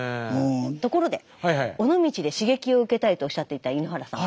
ところで尾道で刺激を受けたいとおっしゃっていた井ノ原さん